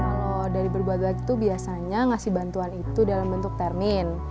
kalau dari berbagai itu biasanya ngasih bantuan itu dalam bentuk termin